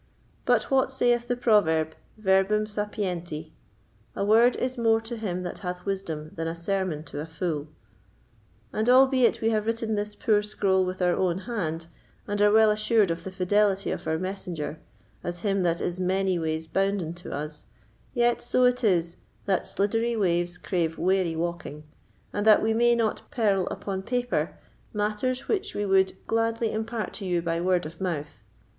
But what sayeth the proverb, verbum sapienti—a word is more to him that hath wisdom than a sermon to a fool. And albeit we have written this poor scroll with our own hand, and are well assured of the fidelity of our messenger, as him that is many ways bounden to us, yet so it is, that sliddery ways crave wary walking, and that we may not peril upon paper matters which we would gladly impart to you by word of mouth.